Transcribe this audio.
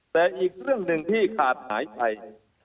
แต่อีกเรื่องหนึ่งที่ขาดหายไป